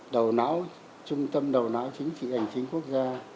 đầu não trung tâm đầu não chính trị hành chính quốc gia